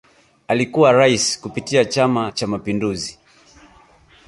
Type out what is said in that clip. Alikuwa Rais kupitia Chama Cha Mapinduzi